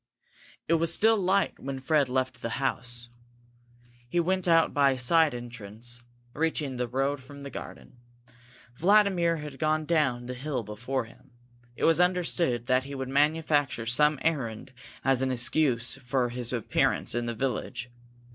It was still light when Fred left the house. He went out by a side entrance, reaching the road from the garden. Vladimir had gone down the hill before him. It was understood that he would manufacture some errand as an excuse for his appearance in the village.